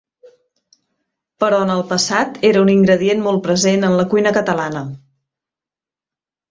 Però en el passat era un ingredient molt present en la cuina catalana.